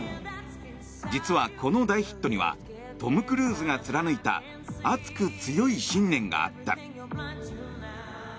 実は、この大ヒットにはトム・クルーズが貫いた熱く強い信念があった。